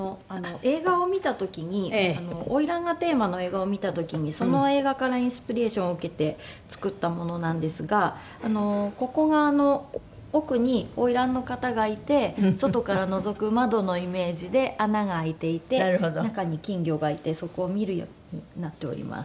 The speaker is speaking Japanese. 映画を見た時に花魁がテーマの映画を見た時にその映画からインスピレーションを受けて作ったものなんですがここが奥に花魁の方がいて外からのぞく窓のイメージで穴が開いていて中に金魚がいてそこを見るようになっております。